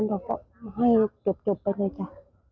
เราก็ให้จบไปเลยจ้ะ